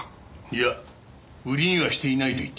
いや売りにはしていないと言っていた。